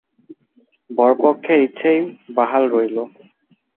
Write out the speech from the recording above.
বরপক্ষের ইচ্ছেই বাহাল রইল।